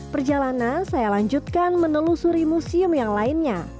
perjalanan saya lanjutkan menelusuri museum yang lainnya